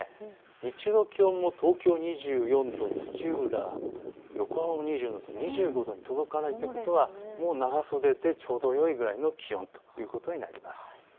日中の気温も東京２４度、土浦、横浜も２４度と２５度に届かないということはもう長袖でちょうどいいくらいの気温ということです。